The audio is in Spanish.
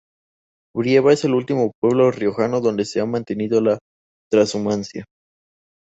Brieva es el último pueblo riojano donde se ha mantenido la trashumancia.